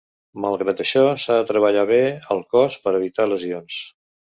Malgrat això, s'ha de treballar bé el cos per evitar lesions.